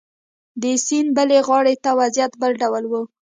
د سیند بلې غاړې ته وضعیت بل ډول و.